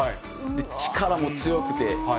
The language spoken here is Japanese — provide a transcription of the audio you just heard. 力も強くて。